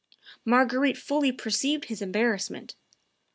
Marguerite fully perceived his embarrassment.